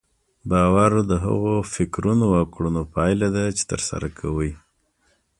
باور د هغو فکرونو او کړنو پايله ده چې ترسره کوئ.